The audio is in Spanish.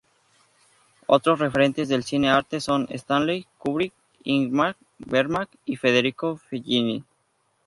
Otros referentes del Cine Arte son Stanley Kubrick, Ingmar Bergman y Federico Fellini.